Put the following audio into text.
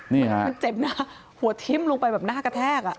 นี่ฮะมันเจ็บนะหัวทิ้มลงไปแบบหน้ากระแทกอ่ะ